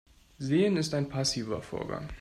Sehen ist ein passiver Vorgang.